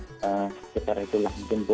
sekitar itu lah mungkin bu